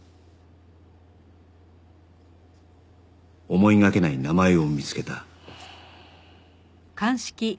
思いがけない名前を見つけた